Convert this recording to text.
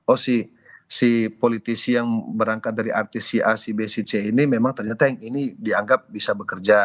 oh si politisi yang berangkat dari artis si a si b si c ini memang ternyata yang ini dianggap bisa bekerja